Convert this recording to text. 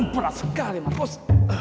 penat sekali markus